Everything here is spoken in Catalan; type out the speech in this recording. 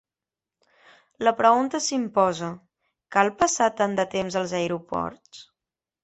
La pregunta s'imposa: cal passar tant de temps als aeroports?